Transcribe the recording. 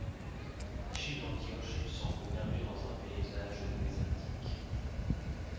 Achille Antioche semble perdu dans un paysage désertique.